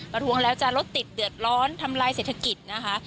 ทวงแล้วจะรถติดเดือดร้อนทำลายเศรษฐกิจนะคะ